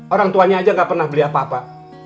orang tuanya aja gak pernah beli apa apa